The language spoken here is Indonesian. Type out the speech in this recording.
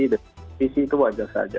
disitu wajar saja